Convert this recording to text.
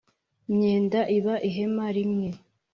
Myenda iba ihema rimwe